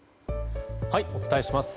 お伝えします。